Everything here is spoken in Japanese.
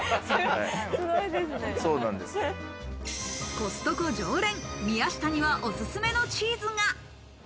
コストコ常連・宮下には、おすすめのチーズが。